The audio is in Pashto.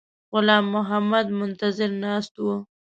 غلام محمد منتظر ناست وو.